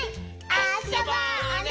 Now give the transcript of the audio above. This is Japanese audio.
あそぼうね！